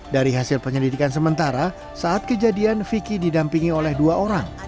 dari hasil penyelidikan sementara saat kejadian vicky didampingi oleh dua orang